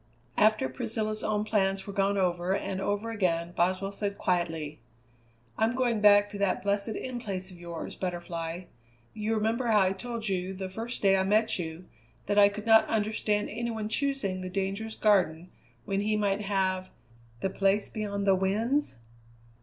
After Priscilla's own plans were gone over and over again, Boswell said quietly: "I'm going back to that blessed In Place of yours, Butterfly. You remember how I told you, the first day I met you, that I could not understand any one choosing the dangerous Garden when he might have the Place Beyond the Winds?"